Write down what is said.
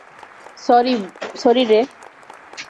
Sorry, রে।